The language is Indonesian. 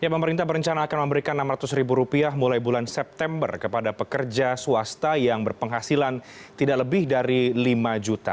pemerintah berencana akan memberikan rp enam ratus ribu rupiah mulai bulan september kepada pekerja swasta yang berpenghasilan tidak lebih dari lima juta